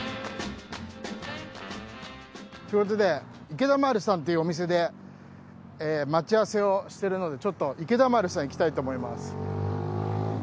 池田丸さんというお店で待ち合わせをしてるのでちょっと池田丸さん行きたいと思います。